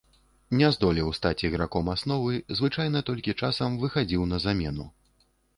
Не здолеў стаць іграком асновы, звычайна толькі часам выхадзіў на замену.